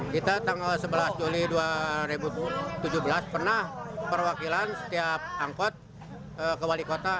kita tanggal sebelas juli dua ribu tujuh belas pernah perwakilan setiap angkot ke wali kota